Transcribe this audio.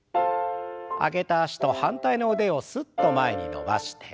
上げた脚と反対の腕をすっと前に伸ばして。